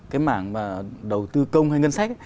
cái mảng đầu tư công hay ngân sách